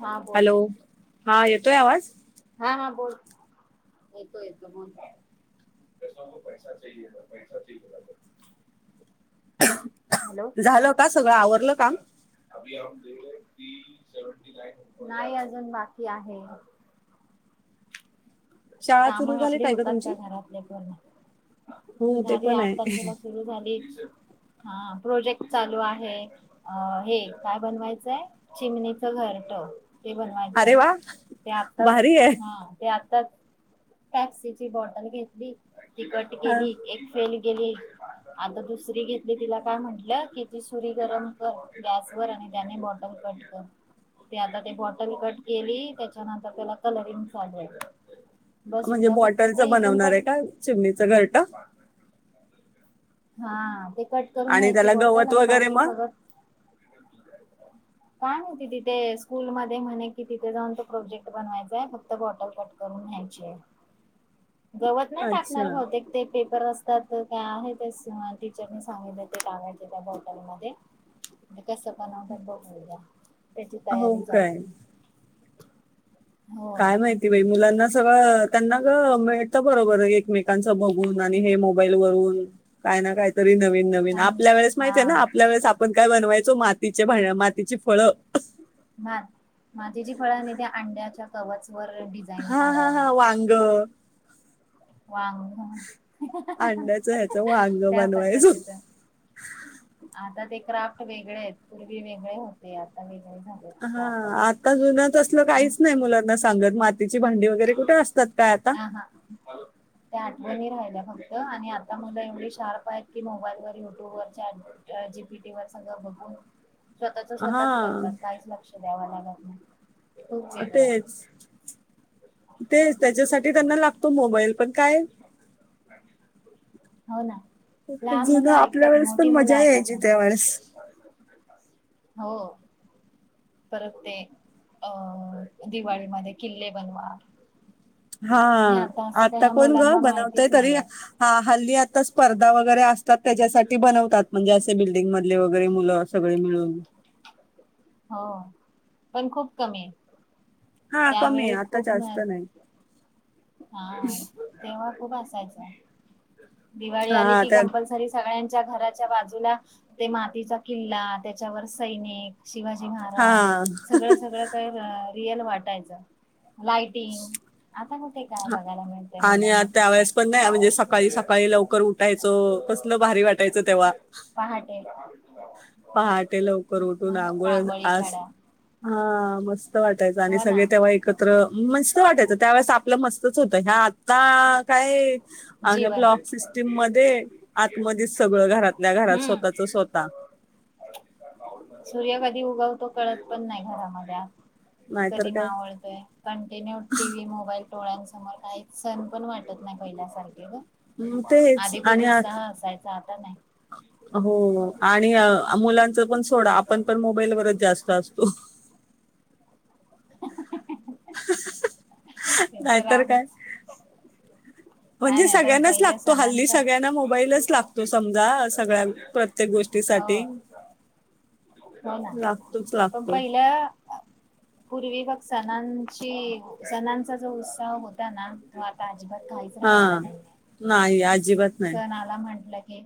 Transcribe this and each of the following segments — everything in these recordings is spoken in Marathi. हा बोल. हॅलो हा येतोय आवाज. हा हा बोल. हॅलो झालं का सगळं आवरलं काम. नाही अजून बाकी आहे. शाळा काम सुरू झाली आपले काय होतात तुमची का घरातले पण. हो ते झाली पण आठ आहे तारखेला सुरु झाली. हा प्रोजेक्ट चालू आहे, अ हे काय बनवायचंय चिमणीच घरटं. ते बनवायचं अरे आहे, वा ते आत्ताच भारी आहे हा ते आता त. प्यापसीची बॉटल घेतली. ती कट हा. केली एक फेल गेली आता दुसरी घेतली तिला काय म्हंटलं कि, ती सुरी गरम कर गॅस वर आणि त्याने बॉटल कट कर ते आता ते बॉटल कट केली त्याच्यानंतर त्याला कलरिंग चालू आहे. बस म्हणजे उद्या फक्त बॉटलच ते इथून बनवणार आहे कट का चिमणीचं घरटं. हा, ते. कट करून आणि घ्यायची त्याला बॉटल गवत आणि वगैरे बाकी मग सगळं काय माहिती तिथे स्कूल मध्ये म्हणे कि तिथे जाऊन ते प्रोजेक्ट बनवायचा आहे फक्त बॉटल कट करून न्यायची आहे. गवत नाही टाकणार अच्छा बहुतेक ते पे [unintelligible] काय आहे तेच. टीचर सांगितलं ते टाकायचे त्या बॉटलमध्ये. कसं बनवतात बघू उद्या. त्याची हो तयारी काय झाली. हो काय माहिती बाई मुलांना सगळ त्यांना ग मिळत बरोबर एकमेकांच बघून आणि हे मोबाईल वरून काय ना काय तरी नवीन नवीन आणि आपल्या वेळेस माहती आहे ना हा आपल्या वेळेस आपण काय बनवायचो मातीचे भांड मातीची फळं. अंड्याचा कवच. वर डिझाईन हा काढा हा हा वांग. वांग अंड्याचं ह्याचं वांग त्या बनवायचं पद्धतीच आता ते क्राफ्ट वेगळे आहेत पूर्वी वेगळे होते आता वेग हा आता जुनच असलं आणि काहीच नाही मुलांना. संगत मा तिची भांडी वगैरे कुठे असतात काय आता. आणि राहिल्या फक्त आणि आता मला एवढी शार्प आहेत की मोबाईल वर युट्यूब वर चॅट जीपीटी वर सगळ बघून स्वतःच स्वतःच हा करतात काहीच लक्ष द्याव नाही. हो तेच. तेच त्याच्यासाठी त्यांना लागतो मोबाईल पण काय. काय हो ना. लहान जुन मुलं आपल्या ऐकतात वेळेस पण मोठी मुलं मजा ऐकत यायचीी नाही त्या्या वेळेस. हो. परत ते अं दिवाळीमध्ये किल्ले बनवा. हा हे असं काही आता ह्या कोण ग मुलांना बनवतय माहितीच तरी नाहीये हा हल्ली आता स्पर्धा वगैरे असते. त्याच्यासाठी बनवतात म्हणजे असे बिल्डिंग व. वगैरे मुलं सगळे मिळून. हो पण खूप कमी आ हा कमी आहे आता जास्त नाही. हा तेव्हडा खूप असायचा. दिवाळी आली हा की तर कंपल्सरी सगळ्यांनी - च्या घराच्या बाजूला ते मातीचा किल्ला त्याच्यावर सैनिक - शिवाजी महाराज हा सगळं सगळं काही - रियल वाटायच लाईटिंग - [inaudible] ह आणि त्यावेेळेस पण नाही म्हणजे सकाळी सकाळी लवकर उठायचो कसल भारी वाटायचं तेव्हा. पहाटे पहाटे लवकर उठून मग आंघोळ रांगोळी [unintelligible] काढा हा म. मस्त वाटायच आणि हो सगळे ना तेव्हा एकत्र मस्त वाटायचं त्यावेळेस आप - मस्तच होत ह्या आता. काय अग जीवन ब्लॉक सिस्टीम मध्ये आतमध्येध सगळं घरातल्या घरात हम्म स्वतःच स्वतः [unintelligible] सूर्य कधी उगवतो कळत पण नाही घरामध्ये आत - नाहीतर कधी काय मावळतोय कंटिन्यू टीव्ही मोबाईल. डोळ्यांसमोर काहीच सण पण पाट - [unintelligible] पहिल्यासारखे ग तेच आधी खूप आणि आत उत्साह असायचा आता नाही [inaudible] हो हो आणि मुलांच पण - का आपण पण मोबाईलवरच जास्त असतो [inaudible] [inaudible] ते तर नाहीतर काय आहेच काय म्हणजे नाही पण सगळ्यांनाच पहिल्या लागतो हल्ली सणांचा सगळ्यांना मोबाईलच लागतो समजा सगळ्या प्रत्येक हो गोष्टीसाठी [inaudible] हो ना लागतोच प लागतो पहिल्या पूर्वी बघ सणांची सणांचा जो उत्सव होता ना तो आता नाई [unintelligible] काहीच हा राहायला नाही अजिबात नाही सण आला म्हंटलं की की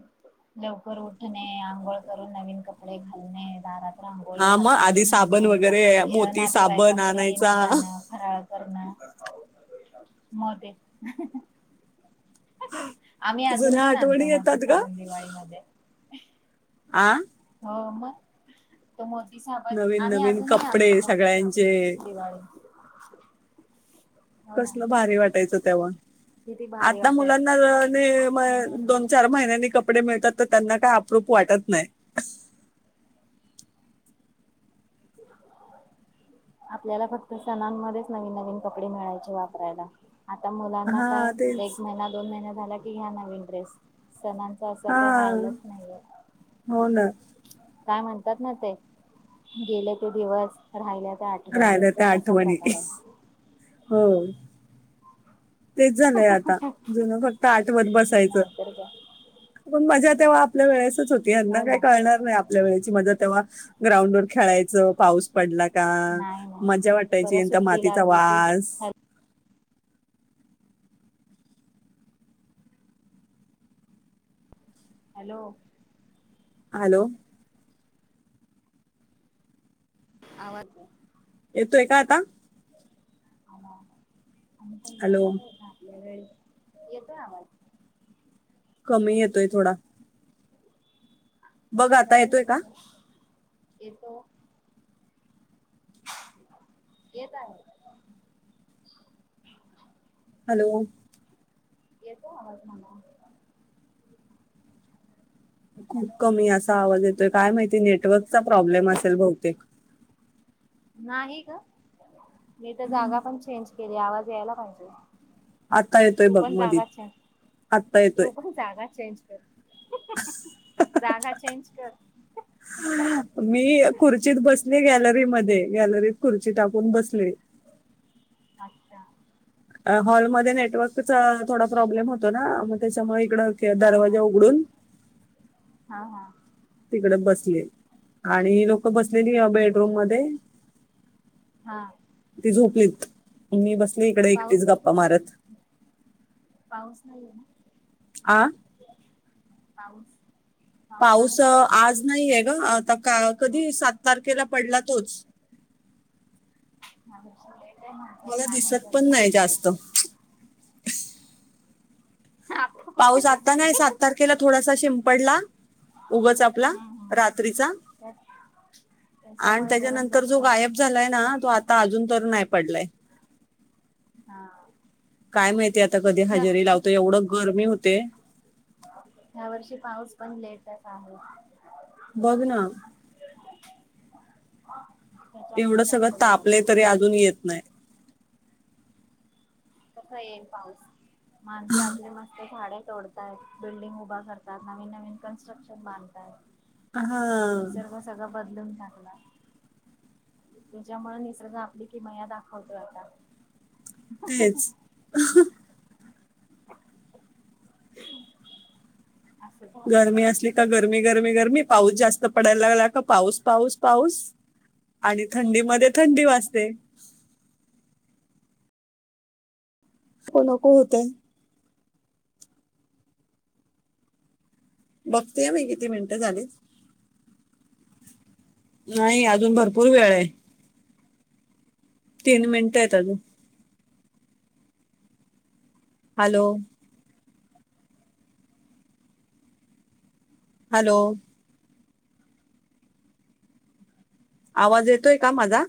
लवकर उठणे आंघोळ करून नवीन कपडे घालणे दारात रांगोळी हा मग हातावर आधी साबण मेहंदी वगैरे ये मोती साबण नातेवाईकांकडे येणं आणायचा जाणं फराळ करणं [unintelligible] [unintelligible] आम्ही अजून जुन्या पण आणतो आठवणी येतात मोती का साबण दिवाळीमध्ये [inaudible] आ म तो मोती साबण नवीन आम्ही नवीन अजूनही आणतो कपडे मोती साबण सगळ्यांचे दिवाळी हो ना कसलं भारी वाटायचं तेव्हा किती भारी आता वाटायचं मुलांना दोन चार महिन्यांनी कपडे मिळतात तर त्यांना काय अप्रूप वाटत नाही आपल्याला फक्त सणांमध्येच नवीन नवीन कपडे मिळायचे वापरायला आता मुलांना काय हा तेच एक महिना दोन महिन्या झाला की घ्या नवीन ड्रेस सणांच असं काही हा राहिलंच नाहीये हो ना काय म्हणतात ना ते गेले ते दिवस राहिल्या त्या आठवणी राहिल्या त्या तसा आठवणी प्रकार आहे हो तेच झालंय आता जुन फक्त आठवत बसायचं नाहीतर काय पण मज्जा तेव्हा आपल्या वेळेस होती यांना हो काय ना कळणार नाही आपल्या वेळेची मज्जा तेव्हा ग्राउंड वर खेळायचं पाऊस पडला का नाही नाही मज्जा वाटायची परत आणि सुट्टी मातीचा लागली की वास हॅ हॅलो हॅलो आवाज येतोय का आता [inaudible] आणि पहिल्या हॅलो कस होता आपल्यावेळी येतोय आवाज. कमी येतोय थोडा. बघ आता येतोय का. येतो. येत आहे. हॅलो. येतो आवाज मला. खूप हॅलो कमी असा आवाज येत काय माहिती नेटवर्क चा प्रॉब्लेम असेल बहुतेक. नाही. का? मी तर जागा पण चेंज केली. आवाज द्यायला पाहिजे. आता येतोय तू बघ पण मधी जागा चेंज आता येतोय. तू पण जागा चेंज कर जागा चेंज त्यात मी खुर्चीत बसली गॅलरी मध्ये गॅलरीत खुर्ची टाकून बसली. अच्छा हॉलमध्ये नेटवर्कचा थोडा प्रॉब्लेम होतो ना मग त्याच्यामुळे इकडं हा दरवाजा उघडून ह हा. तिकडे बसले आणि लोक बसलेली बेडरूम मध्ये हा. झोपलीत. मी बस मी इकडे एकटीच पाऊस गप्पा मारत नाही हे ना. आ? पाऊस आहे पाऊस का आज नाही आहे. ग आता कधी सात तारखेला पडला. तोच [unintelligible] काय म्हणतात? मला काय दिसत म्हणतात? पण सांग की नाही तिला. जास्त कुठे पाऊस आता दिसेल नाही सात हम्म तारखेला थोडासा शिंपडला, उगच आपला हम्म रात्रीचा त्या आणि त्याच्यामुळे गरम त्याच्यानंतर जो जास्त होते गायब झालाय ना तो आ आता अजून तर नाही पडलाय. हा. काय माहिती आ ता कधी ह्या हजेरी लावतो एवढं गरमी होते. ह्या वर्षी पाऊस पण लेटच आहे. बघना एवढं त्याच्यामुळे सगळं जास्त गरम तापले होत तरी अजून येत नाही. कसां येईल पाऊस माणसं आपली मस्त झाड तोडतायेत बिल्डिंग उभा करतात. नवीन नवीन कन्स्ट्रक्शन बांधतायेत. हा निसर्ग सगळं बदलून लागला. त्याच्यामुळे निसर्ग आपली किमया दाखवतोय आता तेच ह ह् गरमी असली गरमी गरमी गरमी पाऊस जास्त पडायला लागला का पाऊस पाऊस पाऊस आणि थंडीमध्ये थंडी वाजते नको नको होते बघतेय मी किती मिनिटं झाली नाही अजून भरपूर वेळ आहे तीन मिनिट आहेत अजून हॅलो हॅलो आवाज येतोय का माझा